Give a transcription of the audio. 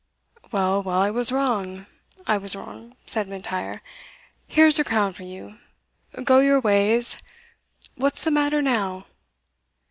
"Well, well, I was wrong I was wrong," said M'Intyre; "here's a crown for you go your ways what's the matter now?"